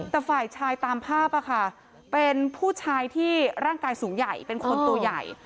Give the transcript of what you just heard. แต่ฝ่ายชายตามภาพเป็นผู้ชายที่ร่างกายสูงใหญ่เป็นคนตัวใหญ่